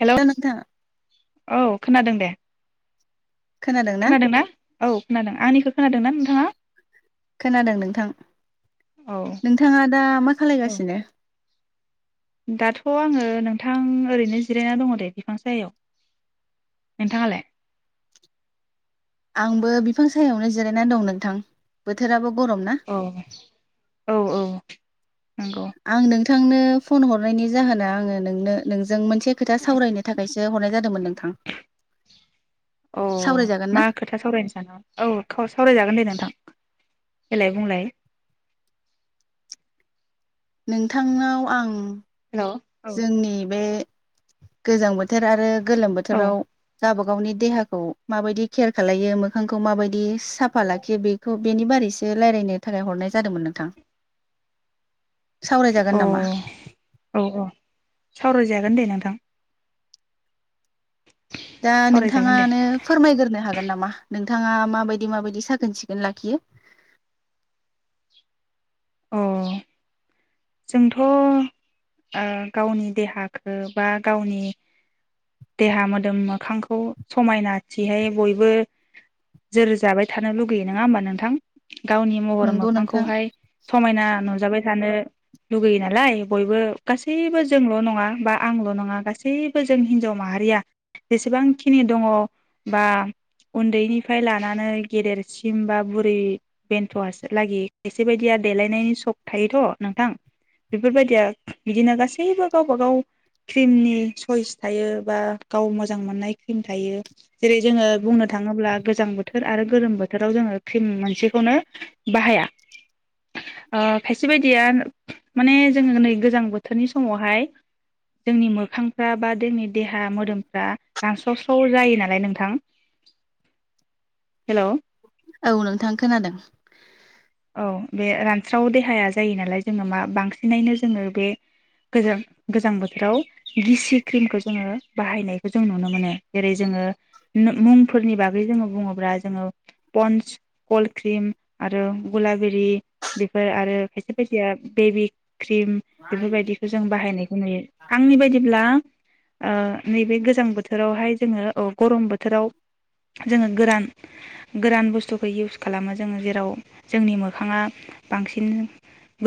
Hello औ खोनादों दे। खोनादों ना खोनादोंना औ खोनादों आंनिखौ खोनादोंना नोंथाङा। खोनादों नोंथां औ नोंथाङा दा मा खालायगासिनो। दाथ' आङो नोंथां ओरैनो जिरायना दङ दे बिफां साहायाव नोंथाङालाय। आंबो बिफां सायावनो जिरायनानै दं नोंथां बोथोराबो। गरम ना अ औ औ। नंगौ आं नों नोंथांनो फन हरनायनि जाहोना आङो नोंनो नों जों मोनसे खोथा सावरायनो थाखायसो हरनाय जादोंमोन [unintelligible] औ सावरायजागोन ना मा खोथा सावरायनो साना औ सावरायजागोन दे नोंथां। देलाय बुंलाय। नोंथांनाव आं। हेलौ औ जोंनि बे। गोजां बोथोर आरो। गोलोम औ बोथोराव गा बा गावनि देहाखौ माबायदि केयार खालायो मोखांखौ माबायदि साफा लाखियो बेखौ बेनि बारैसो रायलायनो थाखाय हरनाय जादोंमोन नोंथां? सावरायजागोन अ नामा औ औ सावरायजागोन दे नोंथां दा सावरायजागोन दे नोंथाङानो फोरमायग्रोनो हा गोन नामा नोंथाङा मााबायदि माबायदि साखोन सिखोन लाखियो। अ जोंथ' ओ गावनि देहाखो बा गावनि देहा मोदोम मोखांखौ समायनाथिहाय बयबो जोर जाबाय थानो लुगैयो नङा होमबा नोंथां? गावनि महर नंगौ नोंथां मोखांखौहाय समायना नुजाबाय थानो लुुगैयो नालाय बयबो गासैबो जोंल' नङा बा आंल' नङा गासैबो जों हिनजाव माहारिया जेसेबांखिनि दङ बा उन्दैनिफ्राय लानानै गेदेरसिम बा बुरै बेन्थ' लागि एसेबायदिया देलायनायनि सक थायोथ' नोंथां बेफोरबायदिया बिदिनो गासैबो गावबा गाव क्रिमनि सइस थायो। बा गाव मोजां मोननाय क्रिम थायो जेरै जोङो बुंनो थाङोब्ला गोजां बोथोर आरो गोलोम बोथोराव जोङो क्रिम मोनसेखौनो बाहाया ओ खायसे बायदिया माने जोङो नै गोजां बोथोरनि समावहाय जोंनि मोखांफ्रा बा जोंनि देहा मोदोमफ्रा रानस्रावस्राव जायो नालाय नोंथां हेल' औ नोंथां खोनादों औ बे रानस्राव देहाया जायो नालाय जोङो मा बांसिनैनो जोङो बे गोजां गोजां बोथोराव गिसि क्रिमखौ जोङो बाहायनायखौ जों नुनो मोनो जेरै जोङो मुंफोरनि बागै जोङो बुङोब्ला जोङो पन्स कल्ड क्रिम आरो गलाबेरि बेफोर आरो खायसे बायदिया बेबि क्रिम बेफोरबायदिखौ जों बाहायनायखौ नुयो आंनि बायदिब्ला ओ नैबे गोजां बोथोरावहाय जोङो अ गरम बोथोराव जोङो गोरान गोरान बुस्थुखौ इउस खालामो जोङो जेराव जोंनि मोखाङा बांसिन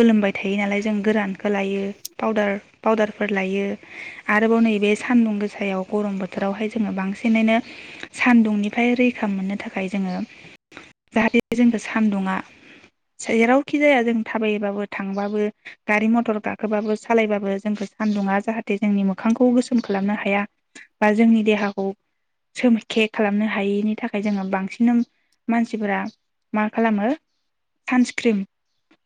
गोलोमबाय थायो नालाय जों गोरानखौ लायो पाउदार पाउदारफोर लायो आरोबाव नैबे सान्दुं गोसायाव गरम बोथोरावहाय जोङो बांसिनैनो सान्दुंनिफ्राय रैखा मोननो थाखाय जोङो जाहाथे जोंखौ सानदुङा जेरावखि जाया जों थाबायबाबो थांबाबो गारि मथर गाखोबाबो सालायबाबो जोंखौ सान्दुंङा जाहाथे जोंनि मोखांखौ गोसोम खालामनो हाया बा जोंनि देहाखौ सोमखे खालामनो हायैनि थाखाय जोङो बांसिन मानसिफोरा मा खालामो। सानस्क्रिम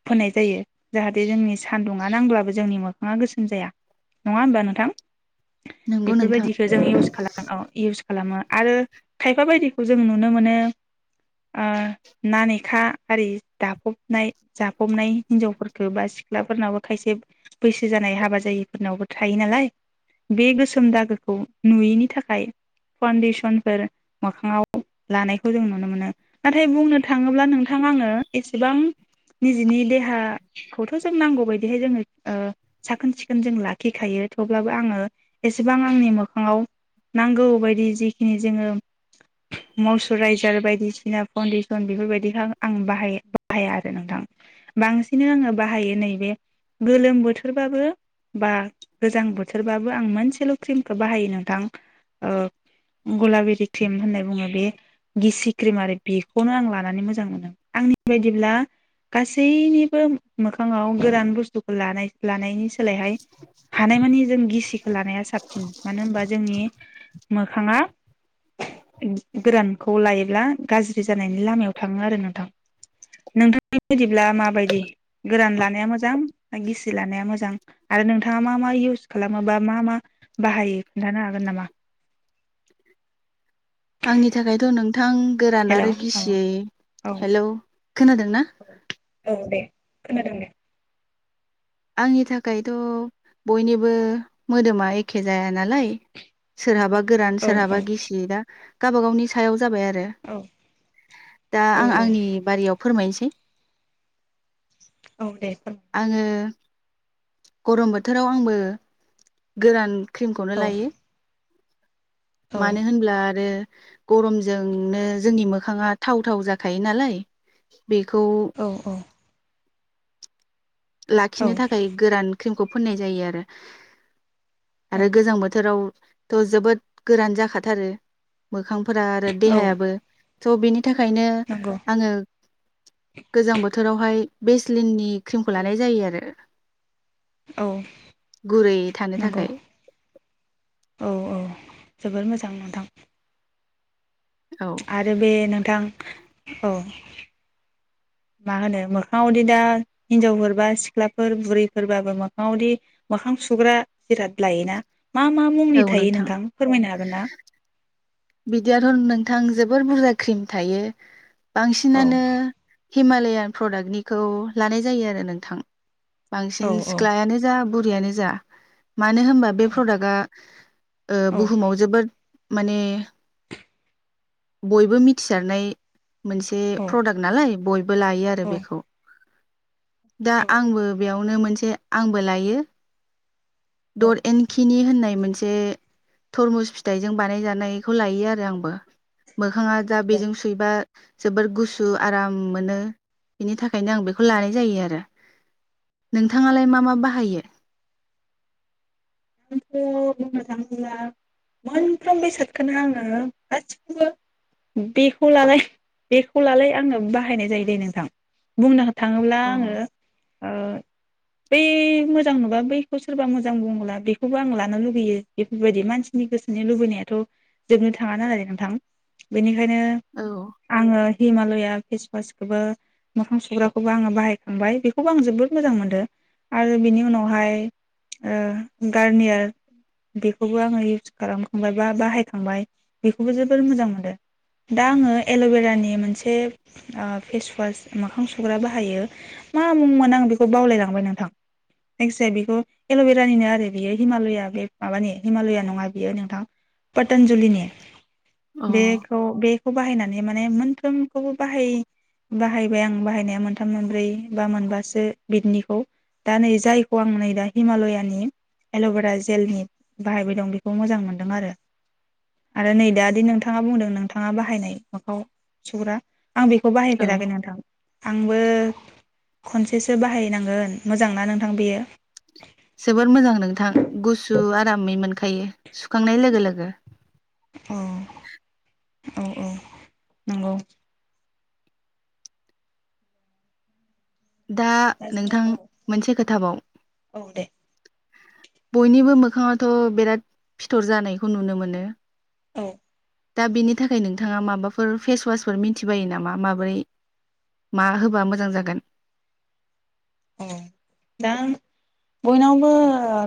फोननाय जायो जाहाथे जोंनि सानदुङा नांब्लाबो जोंनि मोखाङा गोसोम जाया नङा होमबा नोंथां। नंगौ नोंथां बेफोरबायदिखौ जों इउस खालाम औ इउस खालामो आरो खायफा बायदि खौ जों नुनो मोनो ओ नानेखा हारि दाफबनाय जाफबनाय हिनजावफोरखौ बा सिख्लाफोरनावबो खायसे बैसो जानाय हाबा जायिफोरनावबो थायो नालाय बे गोसोम दागोखौ नुयैनि थाखाय फाउन्डेसनफोर मोखाङाव लानायखौ जों नुनो मोनो नाथाय बुंनो थाङोब्ला नों थां आङो एसेबां निजेनि देहाखौथ' जों नांगौ बदिहाय जोङो ओ साखोन सिखोन जों लाखिखायो थेवब्लाबो आङो एसेबां आंनि मोखाङाव नांगौ बायदि जिखिनि जोङो मयसुराइजार बायदिसिना फाउन्डेसन बेफोरबायदिखौ आं बाहाय बाहाया आरो नोंथां बांसिनै आङो बाहायो नैबे गोलोम बोथोरबाबो बा गोजां बोथोरबाबो आं मोनसेल' क्रिमखौ बाहायो नोंथां ओ गलाबेरि क्रिम होननाय बुङो बे गिसि क्रिम आरो बेखौनो आं लानानै मोजां मोनो। आंनि बायदिब्ला गासैनिबो मोखाङाव गोरान बुस्थुखौ लानाय लानायनि सोलायहाय हानायमानि जों गिसिखौ लानाया साबसिन मानो होनबा जोंनि मोखाङा गोरानखौ लायोब्ला गाज्रि जानायनि लामायाव थाङो आरो नोंथां। नोंथांनि बायदिब्ला माबायदि गोरान लानाया मोजां ना गिसि लानाया मोजां आरो नोंथाङा मा मा इउस खालामो बा मा मा बाहायो खोन्थानो हागोन नामा? आंनि थाखायथ' नोंथां गोरान हेल' औ आरो गिसियै, औ हेलौ खोनादोंना? औ दे खोनादों दे आंनि थाखायथ' बयनिबो मोदोमा औ एखे जाया नालाय। सोरनाबा गोरान औ सोरहाबा गिसियो दा गाबा गावनि सायाव जाबाय आरो औ दा औ आं औ आंनि बारियाव फोरमायनोसै। [inaudible] औ दे फोर आङो। गरम बोथोराव आंबो। गोरान क्रिमखौनो औ लायो औ मानो होनब्ला आरो। गरमजों नो जोंनि मोखाङा थाव थाव जाखायो नालाय। बेखौ औ लाखिनो थाखाय गोरान क्रिमखौ फोननाय जायो आरो। आरो औ गोजां बोथोराव। त जोबोद। गोरान जाखाथारो। मोखांफोरा आरो औ देहायाबो। थबिनि थाखायनो नंगौ आङो गोजां बोथोरावहाय बेस्लिननि ख्रिमखौ औ लानाय जायो आरो। औ गुरै थानो नंगौ थाखाय। औ औ जोबोर मोजां नोंथां। औ आरो बे नोंथां औ मा होनो मोखाङावदि दा हिनजावफोरबा सिख्लाफोर बुरैफोरबाबो मोखाङावदि मोखां सुग्रा जिराद लायो ना मा मा मुंनि थायो नोंथां फोरमायनो हागोन ना। बिदियाथ' नोंथां जोबोर बुरजा ख्रिम थायो। औ बांसिनानो हिमालयान प्रडाक्टनिखौ लानाय जायो आरो नोंथां। औ बांसिन औ सिख्लायानो जा बुरियानो जा। मानो होमबा बे प्रडाक्टआ ओ औ बुहुमाव जोबोरद माने बयबो मिथिसारनाय। मोनसे औ प्रडाक्ट नालाय बयबो लायो आरो औ बेखौ। दा आंबो बेयावनो मोन जे आंबो लायो। औ डर एनखिनि होनना बे मोनसे तरमुस फिथाइजों बानाय जानायखौ लायो आरो आंबो मोखाङा दा बेजों सुयोबा जोबोर गुसु आराम मोनो बिनि थाख थाखायनो आं बेखौ लानाय जायो आरो नोंथाङालाय मा मा बाहायो। आंथ' बुंनो थाङोब्ला मोनफ्रोम बेसादखोनो आङो गासिखौबो बेखौलाय बेखौ लालाय आंनाबो बाहायनाय जायो दे नोंथां बुंनो थाङोब्ला अ आङो ओ। बै मोजां नुबा बैखौ सोरबा मोजां बुंला बेख खौबो आं लानो लुुगैयो बेफोरबायदि मानसिनि गोसोनि लुबैनायाथ' जोबनो थाङा नालाय नोंथां बेनिख ओंखायनो औ आङो। हिमालया फेसवासखौबो मोखां सुग्राखौबो आङो बाहायखांबाय बेखौबो आं जोबोद मोजां मोनदों आरो बिनि उनावहाय ओ। गारनियार बेखौबो आङो इउस खालामखांबाय बा बाहायखांबाय बेखौबो जोबोर मोजां मोनदो दा आङो एल'बेरानि मोनसे ओ फेसवास मोखां सुग्रा बाहायो मा मुंमोन आं बेखौ बावलायलांबाय नोंथां जायखि जाया बेखौ एल'बेरानिनो आरो बेयो हिमालया बे माबानि हिमालया नङा बियो नोंथां बाद। पोतानजुलिनि अ बेखौ बे खौ बाहायनानै माने मोनफ्रोमखौबो बाहाय बाहायबाय आं बाहायनाया मोनथाम मोनब्रै बा मोनबासो बिदनिखौ दा नै जायखौ आं नै दा हिमालयानि। एल'भेरा जेलनि बाहायबाय दं बेखौ मोजां मोनदों आरो आरो नै दा दि नोंथाङा बुंदों नोंथाङा बाहायनाय मोखाङाव सुग्रा। आं बेखौ औ बाहायफेराखै नोंथां आं बो खनसेसो बाहायनांगोन मोजां ना नोंथां बियो। जोबोर मोजां नोंथां गुसु आरामै मोन खायो सुखांनाय लोगो लोगो औ औ औ नंगौ दा जोङो नोंथां औ मोनसे खोथाबाव, औ दे बयनिबो मोखाङाथ' बिराद फिथर जानायखौ नुनो मोनो, औ दा बेनि थाखाय नोंथाङा माबाफोर फेसवासफोर मिथिबायो नामा? माबोरै मा होबा मोजां जागोन। औ दा बयनावबो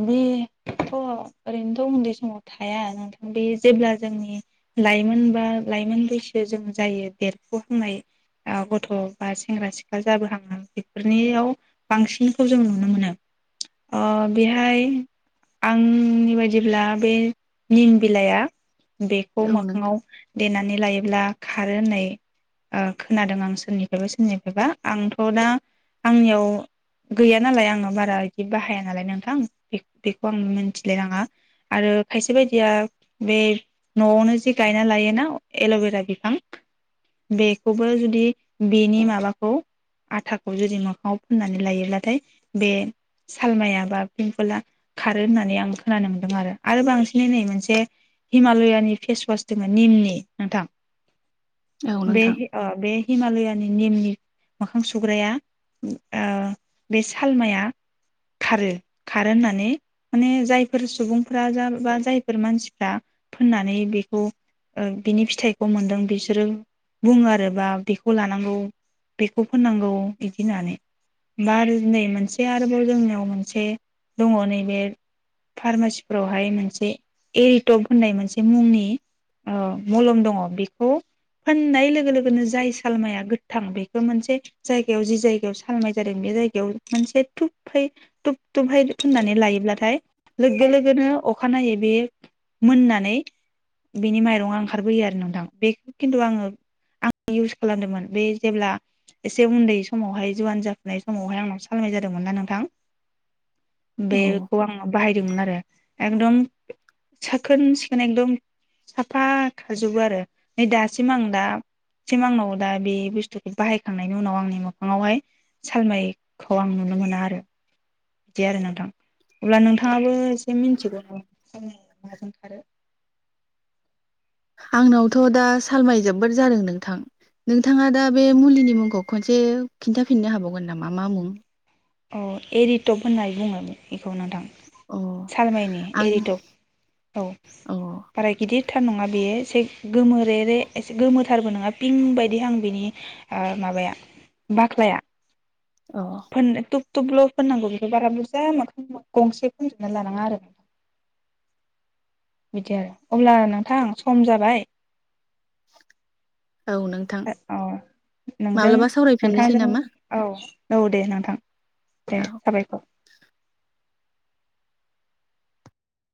बि बेथ' ओरैनोथ' उन्दै समाव थाया नोंथां बे जेब्ला जोंनि लाइमोन बा लाइमोन बैसो जों जायो देरफुहांनाय गथ' बा सेंग्रा सिख्ला जाबोहांनाय बेफोरनियाव, बांसिनखौ जों नुनो मोनो ओ बेहाय आंनि बायदिब्ला बे निम बिलाइया, बेखौ औ नोंथां मोखाङाव देनानै लायोब्ला, खारो होननाय ओ खोनादों आं सोरनि फ्रायबा सोरनिफ्रायबा आं, थ' दा आंनियाव, गैया नालाय आंनाव बारा बिदि बाहाया नालाय नोंथां बे बेखौ आं मिथिलायनाङा आरो खायसे बायदिया बे न'आवनो जि गायना लायोना एलबेरा बिफां बेखौबो जुदि बेनि माबाखौ आथाखौ जुदि मोखाङाव, फुननानै लायोब्लाथाय बे सालमाया बा पिम्पला खारो होननानै आं खोनानो मोनदों आरो आरो बांसिनै नै मोनसे हिमालयानि फेसवास दोङो निमनि नोंथां, औ नोंथां बेहि अ बे हिमालया नि निमनि मोखां सुग्राया, ओ बे सालमाया खारो खारो होननानै माने जायफोर सुबुंफ्रा जा बा जायफोर मानसिफ्रा फोननानै बेखौ ओ बिनि फिथाइखौ मोनदों बिसोरो बुङो आरो बा बेखौ लानांगौ बेखौ फोननांगौ बिदि होननानै बारजिनाय मोनसेया आरोबाव जोंनियाव मोनसे दङ नैबे फार्मासिफोरावहाय मोनसे एरिटप होननाय मोनसे मुंनि ओ मलम दङ बेखौ फोननाय लोगो लोगोनो जाय सालमाया गोथां बेखौ मोनसे जायगायाव जि जायगायाव सालमाय जादों बे जायगायाव मोनसे थुबहै थुब थुबहै फोननानै लायोब्लाथाय लोगगो लोगोनो अखानायै बे मोननानै बिनि माइरङा ओंखारबोयो आरो नोंथां बेखौ खिन्थु आङो आं इउस खालामदोंमोन बे जेब्ला एसे उन्दै समावहाय जुवान जाफुनाय समावहाय आंनाव सालमाय जादोंमोन ना नोंथां। औ बेखौ आङो बाहायदोंमोन आरो। एकदम साखोन सिखोन एकदम साफा खारजोबो आरो नै दासिम आं दा सिम आंनाव दा बे बुस्थुखौ बाहायखांनायनि उनाव आंनि मोखाङावहाय सालमायखौ आं नुनो मोना आरो बिदि आरो नोंथां अब्ला नोंथाङाबो से मिनथिगौ नामा माजों खारो। आंनावथ दा सालमाय जोबोद जादों नोंथां नोंथाङा दा बे मुलिनि मुंखौ खनसे खिन्थाफिननो हाबावगोन नामा मा मुं? अ एरिटप होननाय बुङो बेखौ नोंथां। अ सालमाइनि आं एरिटप औ अ बारा गिदिरथार नङा बेयो। एसे गोमोरे रे एसे गोमोथारबो नङा पिं बायदिहां बिनि ओ माबाया बाख्लाया। अ फोननो थुब थुबल' फोनांगौ बेखौ बारा बुरजा मोखां गंसे फोनजोबनो लानाङा आरो बिदि आरो अब्ला नोंथां सम जाबाय औ नोंथां औ नोंजों माब्लाबा सावरायफिननोसै नोंथांजों नामा औ। औ दे नोंथां। दे औ साबायखर।